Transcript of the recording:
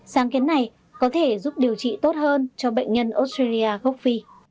sáng kiến này có thể giúp điều trị tốt hơn cho bệnh tim mạch